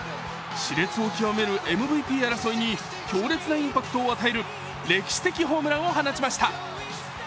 しれつを極めるＭＶＰ争いに強烈なインパクトを与える歴史的ホームランを放ちました。